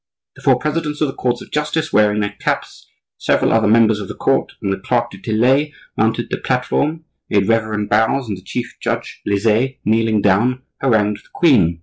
The four presidents of the courts of justice, wearing their caps, several other members of the court, and the clerk du Tillet, mounted the platform, made reverent bows, and the chief judge, Lizet, kneeling down, harangued the queen.